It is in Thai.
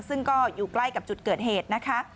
ซึ่งก็อยู่ใกล้กับจุดเกิดเหตุนะคะ